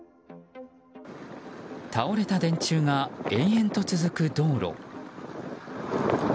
倒れた電柱が延々と続く道路。